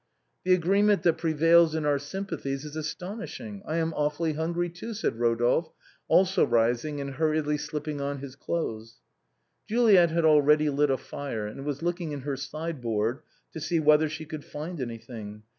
" The agreement that prevails in our sympathies is as tonishing; I am awfully hungry, too/' said Eodolphe, also rising and hurriedly slipping on his clothes. Juliet had already lit a fire, and was looking in her side board to see whether she could find anything.